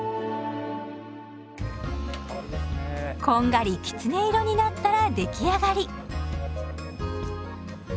こんがりきつね色になったら出来上がり。